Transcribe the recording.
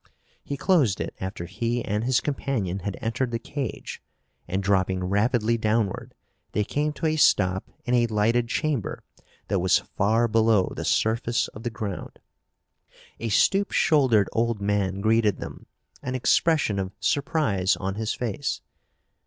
He closed it after he and his companion had entered the cage and, dropping rapidly downward, they came to a stop in a lighted chamber that was far below the surface of the ground. A stoop shouldered old man greeted them, an expression of surprise on his face.